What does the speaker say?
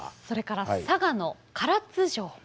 それから佐賀の唐津城。